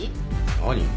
何？